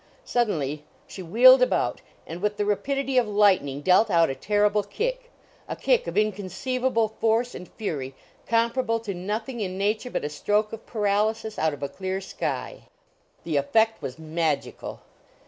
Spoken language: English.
Suddenly she wheeled about and with the rapidity of lightning dealt out a terrible kick a kick of inconceivable force and fury, comparable to nothing in nature but a stroke of paralysis out of a clear sky! The effect was magical!